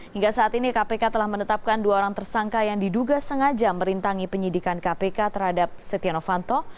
hingga saat ini kpk telah menetapkan dua orang tersangka yang diduga sengaja merintangi penyidikan kpk terhadap setia novanto